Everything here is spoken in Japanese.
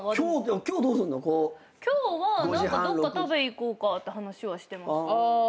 今日は何かどっか食べ行こうかって話はしてました。